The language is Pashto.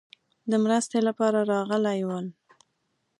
د مرستې لپاره راغلي ول.